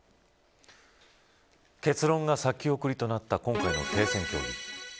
結論が先送りとなった今回の停戦協議